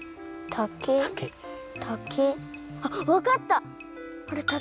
竹竹あっわかった！